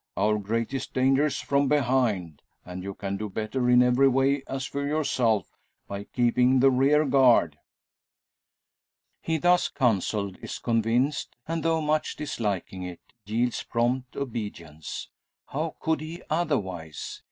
Our greatest danger's from behind; and you can do better in every way, as for yourself, by keeping the rear guard." He thus counselled is convinced: and, though much disliking it, yields prompt obedience. How could he otherwise?